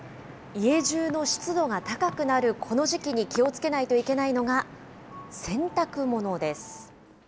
家中の湿度が高くなるこの時期に気をつけないといけないのが、洗濯物です。